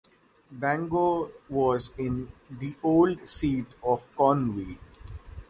Bangor was in the old seat of Conwy.